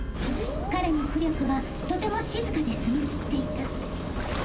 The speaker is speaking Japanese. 彼の巫力はとても静かで澄み切っていた。